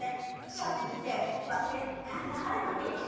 シャツ着てほら上あれ何ていうの？